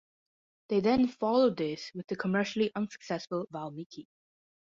They then followed this with the commercially unsuccessful Valmiki.